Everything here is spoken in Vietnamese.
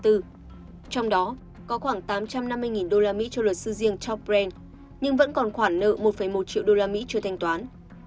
trong đó có khoảng tám trăm năm mươi đô la mỹ cho luật sư riêng todd brand nhưng vẫn còn khoản nợ một một triệu đô la mỹ chưa thanh toán